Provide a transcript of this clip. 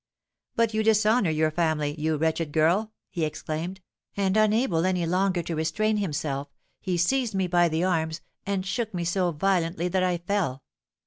'But you dishonour your family, you wretched girl!' he exclaimed, and unable any longer to restrain himself, he seized me by the arms, and shook me so violently that I fell.